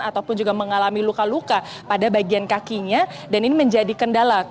ataupun juga mengalami luka luka pada bagian kakinya dan ini menjadi kendala